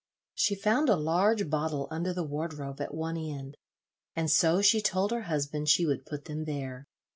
She found a large bottle under the wardrobe at one end, and so she told her husband she would put them there.